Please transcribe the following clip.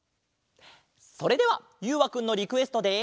それではゆうわくんのリクエストで。